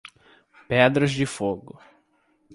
Pedras de Fogo